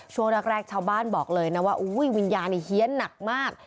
ช่วงแรกชาวบ้านบอกเลยนะว่าวิญญาณเฮียนหนักมาก